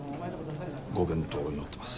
ご健闘を祈ってます。